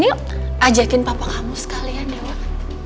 yuk ajakin papa kamu sekalian deh wak